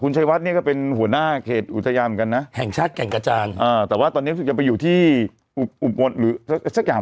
ชัยวัดเนี่ยก็เป็นหัวหน้าเขตอุทยานเหมือนกันนะแห่งชาติแก่งกระจานอ่าแต่ว่าตอนนี้รู้สึกจะไปอยู่ที่อุบลหรือสักอย่าง